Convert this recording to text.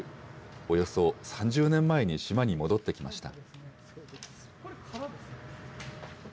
およそ３０年前に島に戻ってきました。